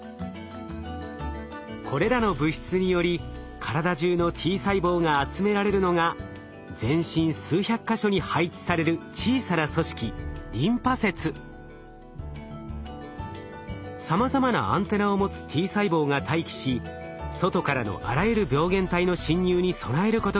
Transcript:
これらの物質により体じゅうのＴ細胞が集められるのが全身数百か所に配置される小さな組織さまざまなアンテナを持つＴ細胞が待機し外からのあらゆる病原体の侵入に備えることができるのです。